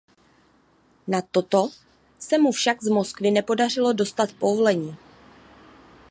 Na toto se mu však z Moskvy nepodařilo dostat povolení.